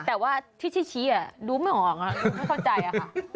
แต่ว่าที่ชี้อ่ะรู้ไม่ออกอ่ะไม่เข้าใจอ่ะค่ะ